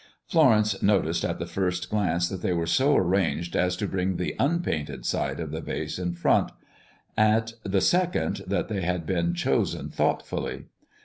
Florence noticed at the first glance that they were so arranged as to bring the unpainted side of the vase in front; at the second, that they had been chosen thoughtfully.